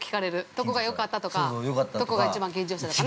どこがよかったとかどこが一番緊張したとかね。